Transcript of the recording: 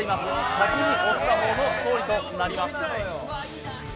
先に押した方の勝利となります。